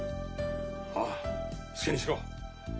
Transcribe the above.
ああ好きにしろ。